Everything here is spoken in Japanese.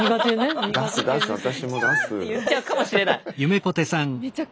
「キャー」って言っちゃうかもしれない。